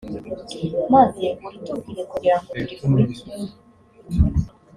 maze uritubwire, kugira ngo turikurikize.